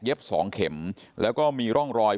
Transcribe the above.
สองเข็มแล้วก็มีร่องรอย